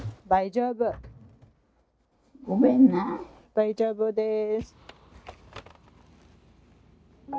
大丈夫でーす。